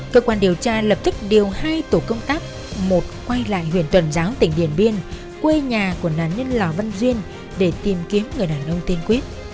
cơ quan điều tra lập tức điều hai tổ công tác một quay lại huyện tuần giáo tỉnh điện biên quê nhà của nạn nhân lò văn duyên để tìm kiếm người đàn ông tên quyết